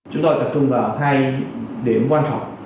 chúng tôi tập trung vào hai điểm quan trọng